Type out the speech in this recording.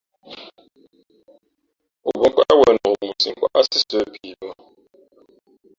O bα̌ nkwéʼ wenok, mα o sǐʼ nkwáʼsí sə̌ pii bᾱ.